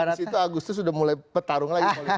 karena abis itu agustus sudah mulai petarung lagi